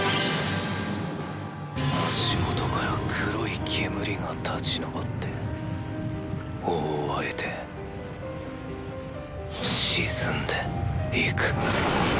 足元から黒い煙が立ち上っておおわれて沈んでいく。